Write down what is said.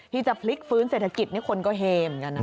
ที่จะฟลิกฟื้นเศรษฐกิจในคนโกเฮม